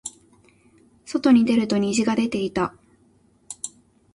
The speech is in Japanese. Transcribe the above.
外に出ると虹が出ていた。